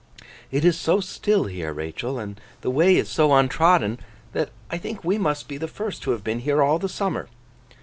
'It is so still here, Rachael, and the way is so untrodden, that I think we must be the first who have been here all the summer.